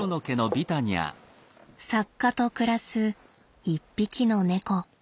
作家と暮らす一匹の猫。